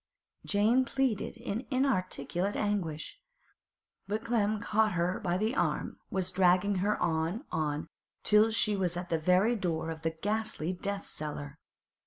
Jane pleaded in inarticulate anguish. But Clem had caught her by the arm, was dragging her on, on, till she was at the very door of that ghastly death cellar.